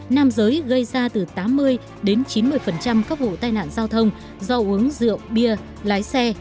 nam giới gây ra từ tám mươi đến chín mươi các vụ tai nạn giao thông do uống rượu bia lái xe